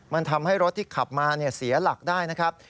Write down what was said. มันทำให้รถที่ขับมาเสียหลักได้นะครับ